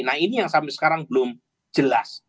nah ini yang sampai sekarang belum jelas